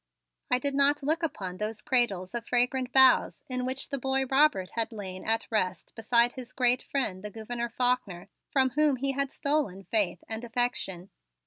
I did not look upon those cradles of fragrant boughs in which the boy Robert had lain at rest beside his great friend, the Gouverneur Faulkner, from whom he had stolen faith and affection.